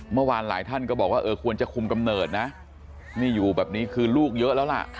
เมื่อวานหลายท่านก็บอกว่าเออควรจะคุมกำเนิดนะนี่อยู่แบบนี้คือลูกเยอะแล้วล่ะ